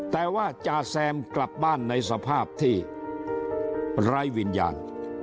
แต่ว่าจาแซมกลับบ้านในสภาพที่ไร้วิญญาณ